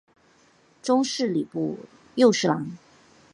终仕礼部右侍郎。